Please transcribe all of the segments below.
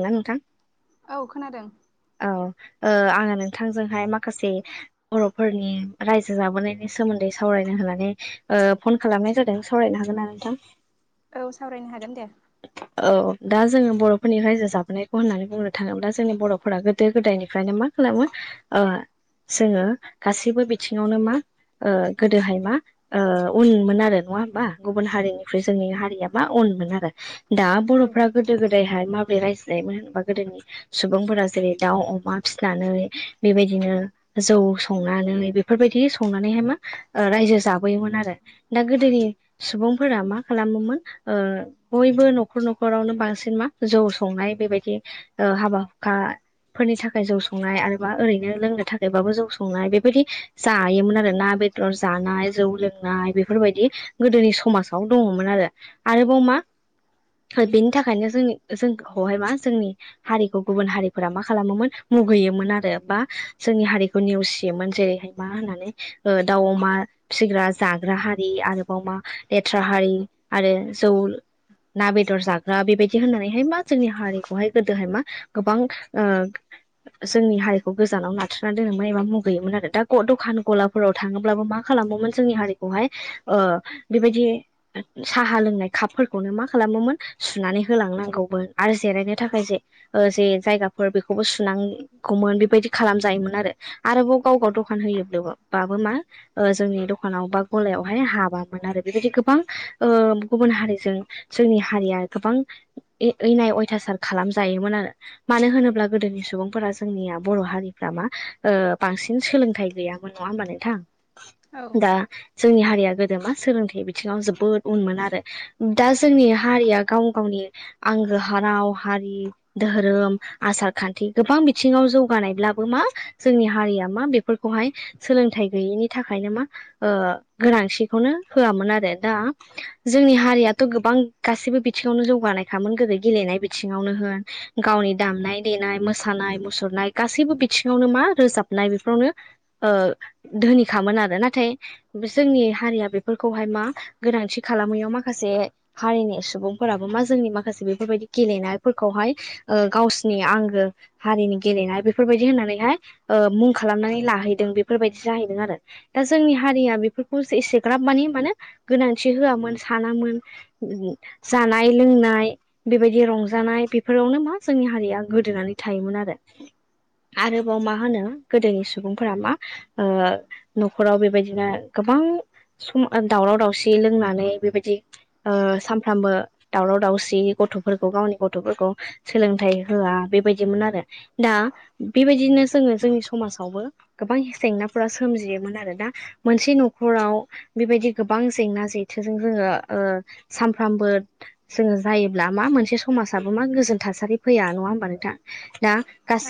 ला नोंथां औ खोनादों औ आङो नोंथांजोंहाय माखासे बर'फोरनि रायजो जाबोनायनि सोमोन्दै सावरायनो होनानै फन खालामनाय जादों सावरायनो हागोन ना नोंथां औ सावरायनो हागोन दे औ दा जोङो बर'फोरनि रायजो जाबोनायखौ होननानै बुंनो थाङोबा दा जोंनि बर' फ्रा गोदो गोदायनिफ्रायनो मा खालामो आ जोङो गासैबो बिथिङावनो मा ओ गोदोहाय मा ओ उनमोन आरो नङा होमबा गुबुन हारिनिफ्राय जोंनि हारिया मा उन मोन आरो दा औ बर'फ्रा गोदो गोदायहाय माब्रै रायजो जायोमोन होनबा गोदोनि सुबुंफोरा जेरै दाउ अमा फिसिनानै बेबायदिनो जौ संनानै बेफोरबायदि संनानै है मा रायजो जाबोयोमोन आरो दा गोदोनि सुबुंफोरा मा खालामोमोन ओ ओ बयबो न'खर न'खरावनो बांसिन मा जौ संनाय बेबायदि ओ हाबा हुखा फोरनि थाखाय जौ संनाय आरोबा ओरैनो लोंनो थाखायबाबो जौ संनाय बेबायदि जायोमोन आरोना ना बेदर जानाय जौ लोंनाय बेफोरबायदि गोदोनि समाजाव दङमोन आरो आरोबाव मा बेनि थाखायनो जों जोंहाय मा जोंनि हारिखौ गुबुन हारि फोरा मा खालामोमोन मुगैयोमोन आरो बा जोंनि हारिखौ नेवसियोमोन जेरैहाय मा होननानै ओ दाउ, अमा फिसिग्रा जाग्रा हारि आरोबाव मा लेथ्रा हारि आरो जौ उल ना, बेदर जाग्रा बेबायदि होननानैहाय मा जोंनि हारिखौहाय गोदोहाय मा गोबां ओ जोंनि हारिखौ गोजानाव नाथारना दोनोमोन एबा मुगैयोमोन आरो दा दखान गलाफोराव थाङोब्लाबो मा खालाम मा खालामोमोन जोंनि हारिखौहाय ओ बेबायदि साहा लोंनाय खाफफोरखौनो मा खालाम मोन सुननै होलांनांगौमोन आरो जिरायनो थाखाय जे जायगाखौ बेखौबो सुनांगौमोन बेबायदि खालाम जायोमोन आरो आरोबाव गाव गाव दखान होयोबा मा जोंनि दखानाव बा गलाहाय हाबामोन आरो बेबायदि गोबां ओ गुबन हारि जों-जोंनि हारिया गोबां इनाय अयथासार खालामजायोमोन आरो मानो होनो ब्ला गोदोनि सुबुंफोरा जोंनिया बर' हारिफ्रा मा ओ बांसिन सोलोंथाइ गैयामोन नङा होमबा नोंथां औ दा जोंनि हारि या गोदो मा सोलोंथाइ बिथिङाव जोबोद उनमोन आरो दा जोंनि हारिया गाव गावनि आंगो हा राव हारि धोहोरोम आसार खान्थि गोबां बिथिङाव जौगानायब्लाबो मा जोंनि हारिया मा बेफोरखौहाय सोलोंथाइ गैयैनि थाखायनो मा ओ गोनांथिखौनो होआमोन आरो दा जोंनि हारि याथ' गोबां गासिबो बिथिङावनो जौगानाय खामोन गोदो गेलेनाय बिथिङावनो होन गावनि दामनाय देनाय मोसानाय मुसुरनाय गासैबो बिथिङावनो मा रोजाबनाय बेफोरावनो धोनिखामोन आरो नाथाय जोंनि हारिया बेफोरखौहाय मा गोनांथि खालामैयाव मा माखासे हारिनि सुबुंफोराबो मा जोंनि माखासे बेफोरबायदि गेलेनायफोरखौहाय गावसिनि आंगो हारिनि गेलेनाय बेफोरबायदि होननानैहाय ओ मुं खालामनानै लाहैदों बेफोर बेबायदि जाहैदों आरो दा जोंनि हारिया बेफोरखौ एसेग्राब माने गोनांथि होआोन हानामोन जानाय लोंनाय बेबायदि रंजानाय बेफोरावनो मा जोंनि हारिया गोदोनानै थायोमोन आरो आरोबाव मा होनो गोदोनि सुबुंफोरा मा ओ न'खराव बेबायदिनो गो बां दावराव दावसि लोंनानै बेबायदि ओ सानफ्रामबो दावराव दावसि गथ'फोरखौ गावनि गथ'फोरखौ सोलोंथाइ होआ बेबायदिमोन आरो दा बेबायदिनो जोङो जोंनि समाजावबो गोबां जेंनाफोरा सोमजियोमोन आरो दा मोनसे न'खराव बेबायदि गोबां जेंना जेथो जोङो ओ सानफ्रायबो जोङो जायोब्ला मा मोनसे समाजा मा गोजोन थासारि फैया नङा होमबा नोंथां दा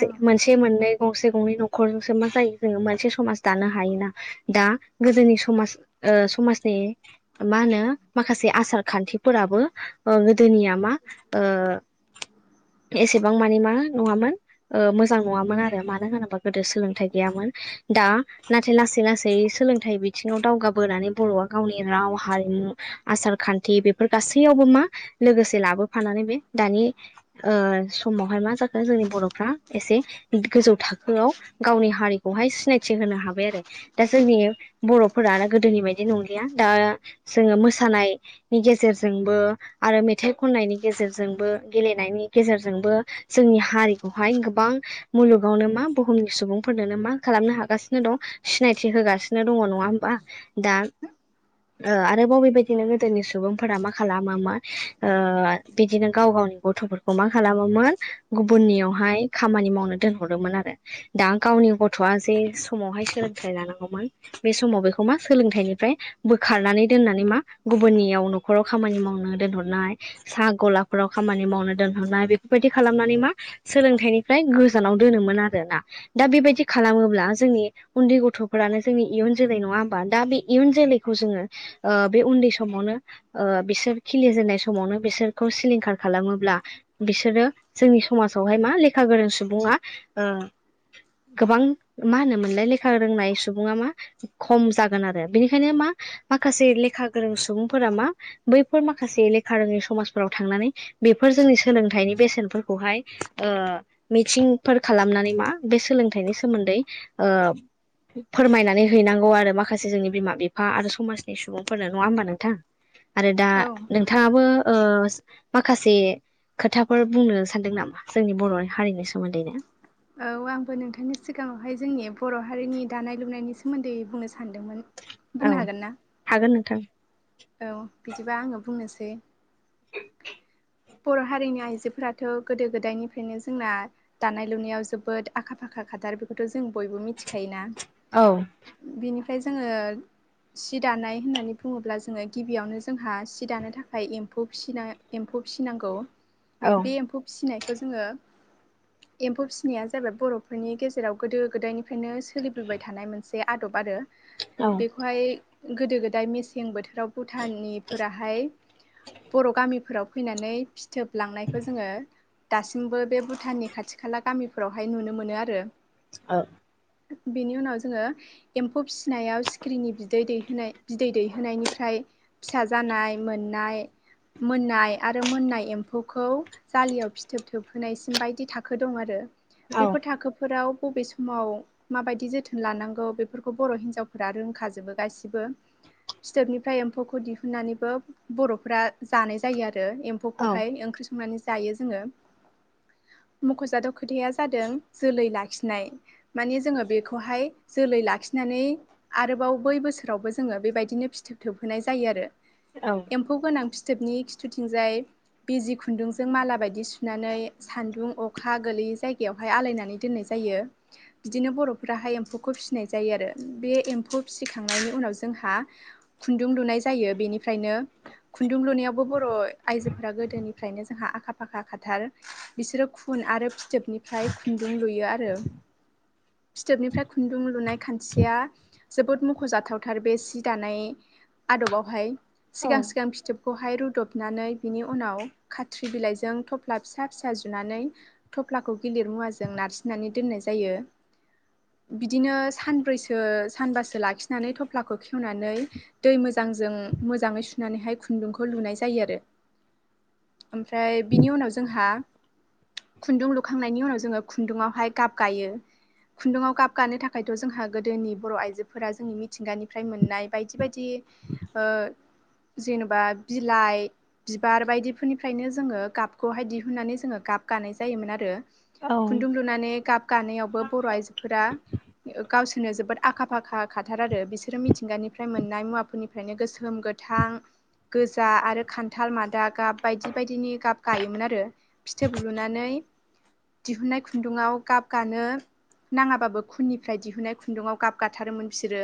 औ मोनसे मोननै गंसे गंनै न'खरजोंसो मा जायो जोङो मोनसे समाज दानो हायोना दा गोदोनि समाज ओ समाजनि मा होनो माखासे आसार खान्थिफोराबो गोदोनिया मा ओ एसेबां मानि मा नङामोन ओ मोजां नङामोन आरो मानो होनोबा गोदो सोलोंथायाइ गैयामोन दा नाथाय लासै लासै सोलोंथाइ बिथिङाव दावगाबोनानै बर'आ गावनि राव हारि आसार खान्थि बेफोर गासैयावबो मा लोगोसे लाबोफानानै बे दानि ओ समावहाय मा जाखो जोंनि बर'फ्रा एसे गोजौ थाखोआव गावनि हारिखौ बेहाय सिनायथि होनो हाबाय आरो दा जोंनि बर'फोरा गोदोनि बायदि नंलिया दा जोङो मोसानायनि गेजेरजोंबो आरो मेथाइ खननायनि गेजेरजोंबो गेलेनायनि गेजेरजोंबो जोंनि हारिखौहाय गोबां मुलुगावनो मा बुहुमनि सुबुंफोरनोनो मा खालामनो हागासिनो दं सिनायथि होगासिनो दङ नङा होमबा दा आरोबाव बेेबायदिनो गोदोनि सुबुंफोरा मा खालामो मा बिदिनो गाव गाव गथ'फोर मा खालामोमोन गुबुननियावहाय खामानि मावनो दोनहरोमोन आरो दा गावनि गथ' वा जे सोलोंथाइ लानांगौमोन बे समाव बेखौ मा सोलोंथाइनिफ्राय बोखारनानै दोन नानै मा गुबुननियाव न'खराव खामानि मावनो दोनहरनाय साहा गलाफोराव खामानि मावनो दोन बेफोरबायदि खालामनानै मा सोलोंथाइनिफ्राय गोजानाव दोनोमोन आरोना दा बेबायदि खालाम मोब्ला जोंनि उन्दै गथ'फोरानो जोंनि इयुन जोलै नङा होमबा दा बे इयुन जोलैखौ जोङो बे उन्दै समावनो बिसोर खिलिजेननाय समावनो बिसोरखौ सिलिंखार खालामोब्ला बिसोरो जोंनि समाजावहाय मा लेखा गोरों सुबुङा गोबां मा होनो मोनलाय लेखा रोंनाय सुबुङा मा खम जागोन आरो बेनिखायनो मा माखासे लेखा गोरों सुबुंफोरा मा बैफोर माखासे लेखा रोङै समाजफोराव थांनानै बेफोरजों सोलोंथाइनि बेसेनफोरखौहाय मिथिंफोर खालामनानै मा बे सोलोंथाइनि सोमोन्दै नै ओ फोरमायनानै हैनांगौ आरो माखासे जोंनि बिमा- बिफा आरो समाजनि सुबुंफोरनो नङा होमबा नोंथां आरो दा औ नोंथाङाबो ओ माखासे खोथाफोर बुंनो सानदों नामा जोंनि बर' हारिनि सोमोन्दैनो औ आंबो नोंथांनि सिगाङावहाय जोंनि बर' हारिनि दानाय- लुनायनि सोमोन्दैयै बुंनो सानो सानदोंमोन औ बुंनो हागोन ना हागोन नोंथां औ बिदिबा आङो बुंनोसै बर' हारिनि आइजोफोराथ' गोदो -गोदायनिफ्रायनो जोंना दानाय- लुनायाव जोबोद आखा -फाखा फाखाथार बेखौथ' जों बयबो मिथिखायोना औ बेनिफ्राय जोङो सि दानाय होननानै बुङोब्ला जों जोङो गिबियावनो जोंहा सि दानो थाखाय एम्फौ फि एम्फौ फिसिनांगौ औ बे एम्फौ फिसिनायखौ जोङो एम्फौ फिसिनाया जाबाय बर'फोरनि गेजेराव गोदो गोदायनिफ्रायनो सोलिबोबाय थानाय मोनसे आदब आरो औ बेखौहाय गोदो गोदाय मेसें बोथोर राव भुटाननिफोराहाय बर' गामि फोराव फैनानै फिथोब लांनायखौ जोङो दासिमबो बे भुटाननि खाथि- खाला गामिफोरावहाय नुनो मोनो आरो औ बेनि उनाव जोङो एम्फौ फिसिनायाव सिखिरिनि बिदै दैहोनाय बिदै दैहोनायनि ओमफ्राय फिसा जानाय मोननाय मोननाय आरो मोननाय एम्फौखौ जालियाव फिथोब थोबहोनायसिम बायदि थाखो दं आरो बेफोर थाखोफोराव बबे समाव माबायदि जोथोन लानांगौ बेफोरखौ बर' हिनजावफोरा रोंखाजोबो गासिबो [inaudible] फिथोबनिफ्राय एम्फौखौ दिहुननानैबो बर'फोरा जानाय जायो आरो औ एम्फौखौहाय ओंख्रि सं नानै जायो जोङो [inaudible] मख'जाथाव खोथाया जादों जोलै लाखिनाय माने जोङो बेखौहाय जोलै लाखि नानै आरोबाव बै बोसोराव जोङो बेबायदिनो फि फिथोब थोबहोनाय जायो आरो औ एम्फौ गोनां फिथोबनि खिथुथिंजाय बिजि खुन्दुंजों माला बायदि सुनानै सान्दुं अखा गोलैयै जायगायावहाय आलायनानै दोननाय जा यो बिदिनो बर'फोराहाय एम्फौखौ फिसिनाय जायो आरो बे एम्फौ फिसिखांनायनि उनाव जों जोंहा खुन्दुं लुनाय जायो बेनिफ्रायनो खुन्दुं लुनायावबो बर' आइजो फोरा गोदोनि फ्रायनो जोंहा आखा फाखा खाथार बिसोरो खु आरो फिथोब निफ्राय खुन्दुं लुयो आरो। फिथोब निफ्राय खुन्दुं लुनाय खान्थिया जोबोद मख' जाथावथार बे सि दानाय आदबाव हाय सिगां सिगां फिथोबखौ हाय रुद दबनानै बिनि उनाव खाथ्रि बिलाइजों थफ्ला फिसा फिसा जुनानै थफ्लाखौ गिल लिर मुवाजों नारसिननानै दोननाय जायो। बिदिनो सानब्रैसो सानबासो लाखिनानै थफ्लाखौ खेवनानै दै मोजांजों मोजाङै सुनानै हाय खुन्दुंखौ लुनाय जायो आरो। ओमफ्राय बिनि उनाव जोंहा खुन्दुं लुखांनायनि उनाव जोङो खुन्दुङाव हाय गाब गायो। खुन्दुङाव गाब गानो थाखायथ' जोंहा गोदोनि बर आइजोफोरा जोंनि मिथिंगानिफ्राय मोननाय बायदि बायदि दि ओ जेनेबा बिलाइ बिबार बायदि फोरनिवफ्रायनो जोङो गाबखौ हाय दिहुननानै जोङो गाब गा नाय जायोमोन आरो। औ खुन्दुं लुनानै गाब गानायावबो बर' आइजो फोरा गावसोर नो जोबोद आखा फाखा खाथीर आरो बिसोरो मिथिंगा निफ्राय मोन मोननाय मुवाफोर निफ्रायनो गोसोम, गोथां गोजा आरो खान्थाल मादा गाब बायदि बायदिनि गाब गायोमोन आरो। फिथोब लुनानै दिहुननाय खुन्दुआव गाब गानो नाङाबाबो खुननिफ्राय दिहुनाय खुन्दुङाव गाब गाथारोमोन बिसोरो।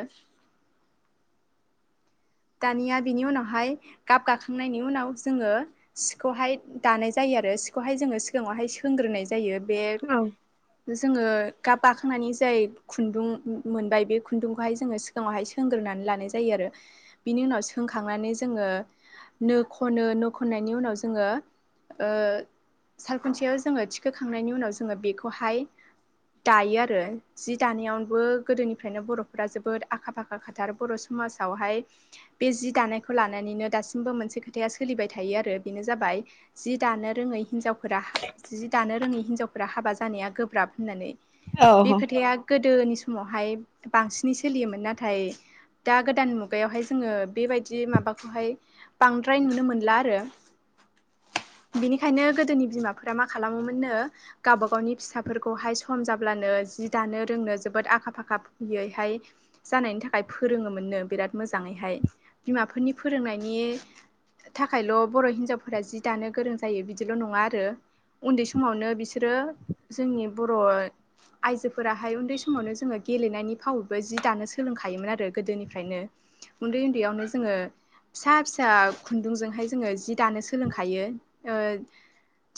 [inaudible] दानिया बिनि उनाव हाय गाब गाखांनायनि उनाव जोङो सि खौहाय दानाय जायो। आरो सि खौहाय जोङो सिगाङाव हाय सोंग्रोनाय जायो बे औ जोङो गाब गाखांनानै जाय खुन्दुं मोनबाय बे खुन्दुंखौ हाय जोङो सिगाङावहाय सोंग्रोनानै लानाय जा जायो आरो बिनि उनाव सोंखांनानै जोङो नो खनो नो खननायनि उनाव जोङो ओ सालखुन्थियाव जोङो थिखो खांनायनि उनाव जोङो बेखौहाय दायो आरो जि दानायावबो गोदोनिफ्रायनो बर' फोरा जोबोद आखा फाखा खाथार बर' समाजाव हाय बे जि दानायखौ लानानैनो दासिमबो मोनसे खोथाया सोलिबाय थायो आरो बेनो जाबाय जि दानो रोङै हिनजाव फोरा जि दानो रोङै हिनजाव फोरा हाबा जानाया गोब्राब होननानै। औ बे खोथाया गोदो नि समावहाय बांसिनै सोलियोमोन नाथाय दा गोदान मुगायाव हाय जोङो बेबायदि माबाखौ हाय बांद्राय नुनो मोनला आरो। [inaudible] बिनिखायनो गोदोनि बिमा फोरा मा खालामो मोननो गावब गावनि फिसा फोरखौहाय सम जाब्लानो जि दानो रोंनो जोबोद आखा फाखा फैयैहाय जानायनि थाखाय फोरोङो मोननो बिराद मोजाङै हाय बिमा फोरनि फोरोंनायनि थाखायल बर' हिन्जावफोरा जि दानो गोरों जायो बिदिल नङा आरो। उन्दै समावनो बिसोरो जोंनि बर आयजो फोराहाय उन्दै समावनो जोङो गेलेनायनि फावैबो जि दानो सोलोंखायो मोन आरो। गोदोनिफ्रायनो उन्दै उन्दैयावनो जोङो फिसा फिसा खुन्दुंजों हाय जोङो जि दानो सोलोंखायो ओ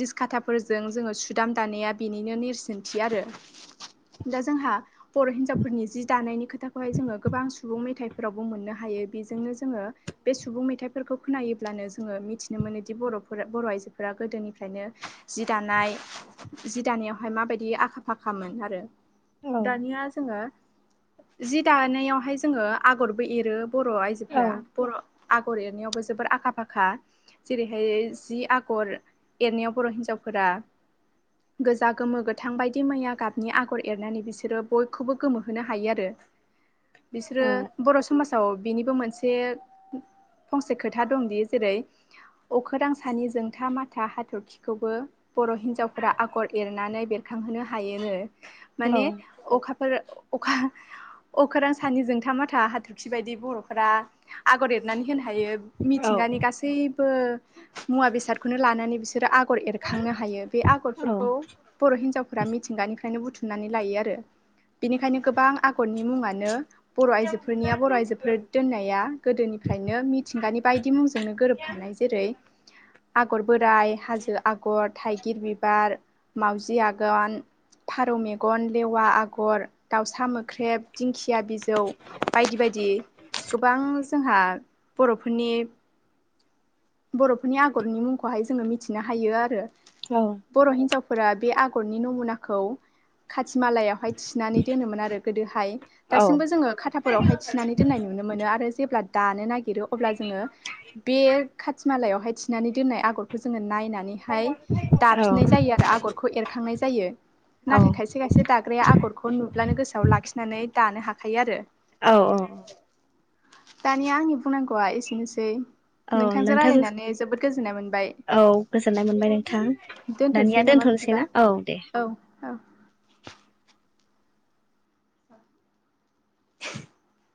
दिसकाटा फोरजों जोङो सुदाम दानाया बिनिनो नेरसिोनथि आरो। दा जोंहा बर' हिनजाव फोरनि जि दानायनि खोथाखौ हाय जोङो गोबां सुबुं मेथाइ फोरावबो मोननो हायो बेजोंनो जोङो बे सुबुं मेथाइ फोरखौ खोनायोब्लानो जोङो मिथिनो मोन बर' फोरा बर आइजोफोरा गोदोनिफ्रायनो दानाय जि दानायावहाय माबायदि बि आखा फाखामोन आरो। दानिया जोङो जि दानायाव हाय जोङो आगरबो एरो बर' औ आइजोफ्रा बर' आगर एरनायावबो जोबोर आखा फाखा जेरैहाय जि आगर एरनायाव बर' हिन्जाव फोरा गोजा गोमो गोथां बायदि मैया गाबनि आगर एरनानै बिसोरो बयखौबो गोमोहोनो हायो आरो [inaudible] बिसोरो बर' समाजाव बिनिबो मोनसे फंसे खोथा दंदि जेरै अखोरांसानि जोंथा माथा हाथरखिखौबो बर' हिनजावफोरा आगर एरनानै बेरखांहोनो हायोनो माने अखाफोर अखा- अखोरां सानि जोंथा माथा हाथरखि बायदि बर'फोरा आगर एरनानै होनो हायो मिथिंगानि गासैबो मुवा बेसादखौनो लानानै बिसोरो आगर एरखांनो हायो बे आगरफोरखौ बर' हिन्जावफोरा मिथिंगानिफ्रायनो बुथुमो सुनानै लायो आरो बेनिखायनो गोबां आगरनि मुङानो बर' आइजोफोरनिया बर' आइजोफोर दोननाया गोदोनिफ्रायनो मिथिंगानि बायदि मुंजोंनो गोरोबफा थानाय जेरै आगर बोराइ हाजो आगर थाइगिर बिबार मावजि आगान फारौ मेगन लेवा आगर दाउसा मोख्रेब दिंखिया बि जौ बायदि बायदि गोबां जोंहा बर'फोरनि बर'फोरनि आगरनि मुंखौहाय जोङो मिथिनो हायो आरो बर' हिनजावफोरा बे आगरनि नमुनाखौ खाथिमालायावहाय थिनानै दोनोमोन आरो गोदोहाय दासिमबो जोङो खाथाफोरावहाय थिनानै दोननाय नुनो मोनो आरो जेब्ला दानो नागिर देरो अब्ला जोङो बे खाथि मालायावहाय थिनानै दोननाय आगरखौ जोङो नायनानैहाय दाफिननाय जायो आरो आगरखौ एरखांनाय जायो नाथाय खायसे-खायसे दाग्राया आगरखौ नुब्लानो गोसोआव लाखिनानै दानो हाखायो आरो औ-औ दानिया आंनि बुंनांगौआ एसेनोसै औ नोंथांजों रायलायनानै जोबोद गोजोननाय मोनबाय औ गोजोननाय मोनबाय नोंथां दोनथ'सै दानिया नामा बिदिबा दोनथ'सैना औ दे औ औ [inaudible]